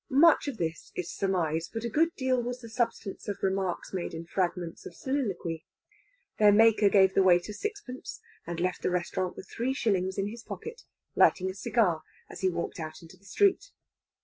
Much of this is surmise, but a good deal was the substance of remarks made in fragments of soliloquy. Their maker gave the waiter sixpence and left the restaurant with three shillings in his pocket, lighting a cigar as he walked out into the street.